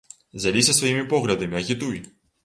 Дзяліся сваімі поглядамі, агітуй!